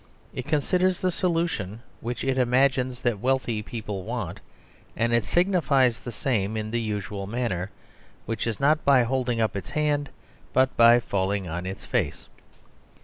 It considers the solution which it imagines that wealthy people want, and it signifies the same in the usual manner; which is not by holding up its hand, but by falling on its face.